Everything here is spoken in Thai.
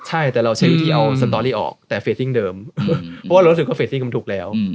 ใช่แต่เราเซ็นที่เอาสตอรี่ออกแต่เฟสติ้งเดิมเพราะว่าเรารู้สึกว่าเฟสติมันถูกแล้ว